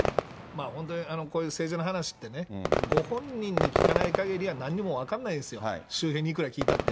本当にこういう政治の話ってね、ご本人に聞かないかぎりは、なんにも分かんないんですよ、周辺にいくら聞いたって。